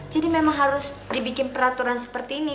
jadi memang harus dibikin peraturan seperti ini